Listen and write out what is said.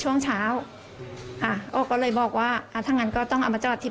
ใช่ง่ายมากมันเกินไป